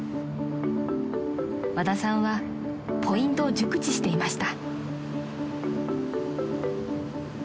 ［和田さんはポイントを熟知していました］